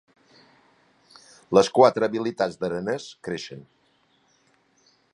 Les quatre habilitats d’aranès creixen.